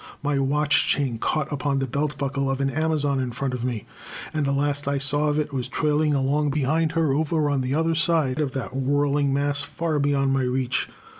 My watch chain caught upon the belt buckle of an amazon in front of me, and the last I saw of it was trailing along behind her over on the other side of that whirling mass far beyond my reach.